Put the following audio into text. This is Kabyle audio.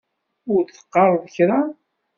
Ur d-teqqareḍ kra?